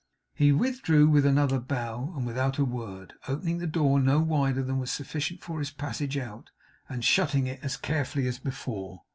He withdrew with another bow and without a word; opening the door no wider than was sufficient for his passage out; and shutting it as carefully as before.